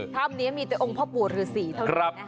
ถ้ำนี้มีแต่องค์พ่อปู่รือศรีเท่านี้นะครับ